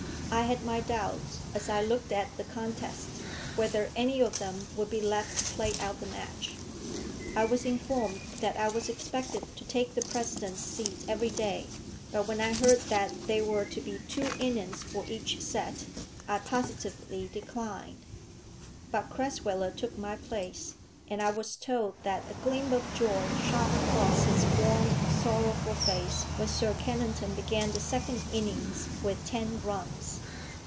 I had my doubts, as I looked at the contest, whether any of them would be left to play out the match. I was informed that I was expected to take the President's seat every day; but when I heard that there were to be two innings for each set, I positively declined. But Crasweller took my place; and I was told that a gleam of joy shot across his worn, sorrowful face when Sir Kennington began the second innings with ten runs.